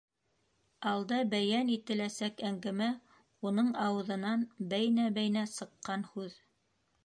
Алда бәйән ителәсәк әңгәмә уның ауыҙынан бәйнә-бәйнә сыҡҡан һүҙ.